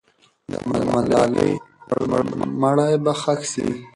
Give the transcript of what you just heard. د ملالۍ مړی به ښخ سي.